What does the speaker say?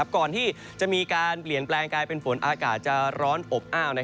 ก่อนที่จะมีการเปลี่ยนแปลงกลายเป็นฝนอากาศจะร้อนอบอ้าว